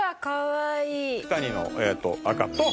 九谷の赤と。